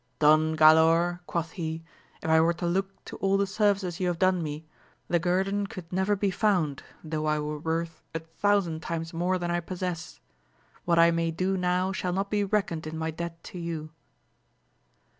Don Galaor, quoth he, if I were to look to all the services you have done me, the guerdon could never be found though I were worth a thousand times more than I possess : what I may do now shall not be reckoned in my debt to you.